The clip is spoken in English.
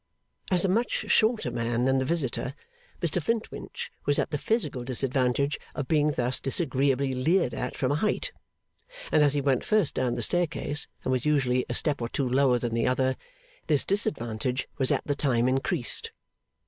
As a much shorter man than the visitor, Mr Flintwinch was at the physical disadvantage of being thus disagreeably leered at from a height; and as he went first down the staircase, and was usually a step or two lower than the other, this disadvantage was at the time increased.